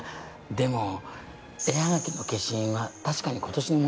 でも絵ハガキの消印は確かに今年のものでしたし。